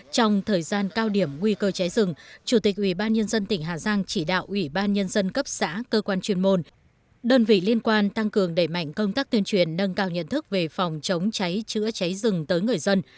trong thời gian cao điểm nguy cơ cháy rừng chủ tịch ubnd tỉnh hà giang chỉ đạo ubnd cấp xã cơ quan chuyên môn đơn vị liên quan tăng cường đẩy mạnh công tác tuyên truyền nâng cao nhận thức về phòng chống cháy chữa cháy rừng tới người dân